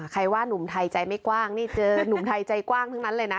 ใครว่านุ่มไทยใจไม่กว้างนี่เจอนุ่มไทยใจกว้างทั้งนั้นเลยนะ